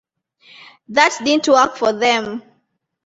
That didn't work for them.